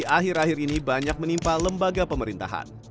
akhir akhir ini banyak menimpa lembaga pemerintahan